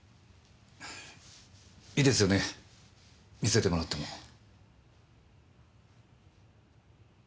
いいですよね観せてもらっても。